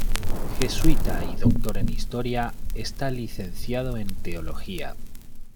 Jesuita y doctor en Historia, está licenciado en Teología.